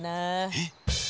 えっ？